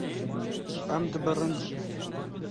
Em dibirin.